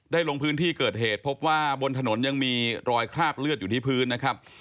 ลงพื้นที่เกิดเหตุพบว่าบนถนนยังมีรอยคราบเลือดอยู่ที่พื้นนะครับ